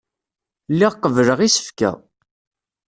Lliɣ qebbleɣ isefka.